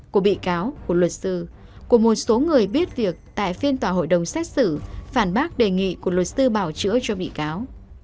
của bị cáo của luật sư của một số người biết việc tại phiên tòa hội đồng xét xử phản bác đề nghị của luật sư bảo chữa cho bị cáo